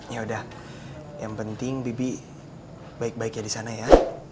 yaudah yang penting bebep baik baiknya disana ya